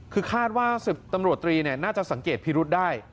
คือคาดว่า๑๐ตำรวจตรีน่าจะสังเกตพิรุษได้